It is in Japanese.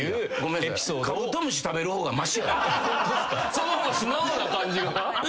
その方が素直な感じが。